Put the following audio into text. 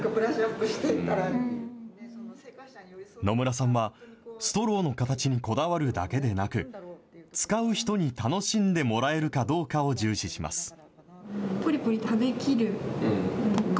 野村さんは、ストローの形にこだわるだけでなく、使う人に楽しんでもらえるかどうかを重視します。